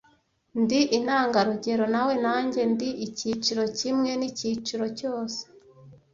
Ndi intangarugero nawe, nanjye ndi icyiciro kimwe nicyiciro cyose.